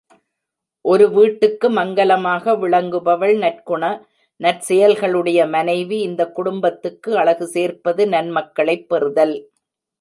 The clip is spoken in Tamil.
ஒரு வீட்டுக்கு மங்கலமாக விளங்குபவள் நற்குண நற்செயல்களுடைய மனைவி இந்தக் குடும்பத்துக்கு அழகு சேர்ப்பது நன்மக்களைப் பெறுதல்.